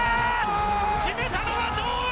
決めたのは堂安！